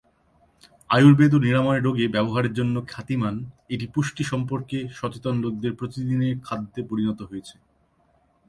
আয়ুর্বেদ ও নিরাময়ের রোগে ব্যবহারের জন্য খ্যাতিমান, এটি পুষ্টি সম্পর্কে সচেতন লোকদের প্রতিদিনের খাদ্যে পরিণত হয়েছে।